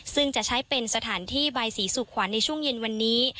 ซึ่งจะใช้เป็นสถานที่บายศรีสุขวัญในช่วงเย็นวันนี้